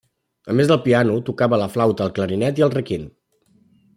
A més del piano tocava la flauta, el clarinet i el requint.